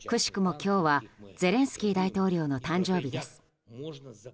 今日はゼレンスキー大統領の誕生日です。